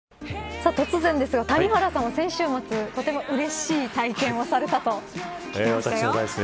さあ突然ですが谷原さんは先週末とてもうれしい体験をされたと聞きましたよ。